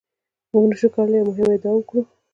موږ نشو کولای یوه مهمه ادعا وکړو.